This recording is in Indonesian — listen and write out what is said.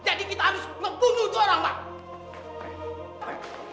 jadi kita harus membunuh itu orang bang